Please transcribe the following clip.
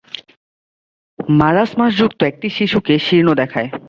মারাসমাসযুক্ত একটি শিশুকে শীর্ণ দেখায়।